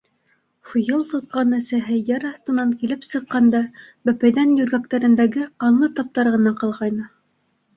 Һуйыл тотҡан әсәһе яр аҫтынан килеп сыҡҡанда, бәпәйҙән йүргәктәрендәге ҡанлы таптар ғына ҡалғайны...